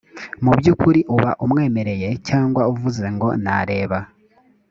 mu by ukuri uba umwemereye cyangwa uvuze ngo nareba